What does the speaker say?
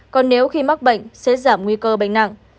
còn nếu khi mắc bệnh sẽ giảm nguy cơ bệnh nặng